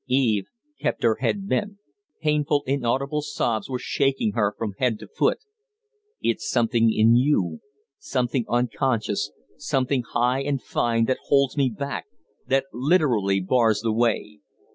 Eve kept her head bent. Painful, inaudible sobs were shaking her from head to foot. "It's something in you something unconscious something high and fine, that holds me back that literally bars the way.